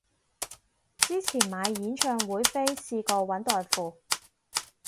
之前買演唱會飛試過搵代付